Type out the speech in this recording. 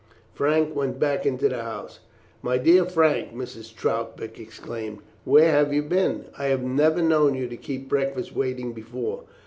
Frank went back into the house. "My dear Frank," Mrs. Troutbeck exclaimed, "where have you been? I have never known you keep breakfast waiting before.